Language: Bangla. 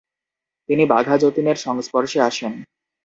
তিনি বাঘা যতীনের সংস্পর্শে আসেন।